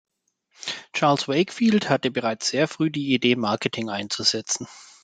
Charles Wakefield hatte bereits sehr früh die Idee, Marketing einzusetzen.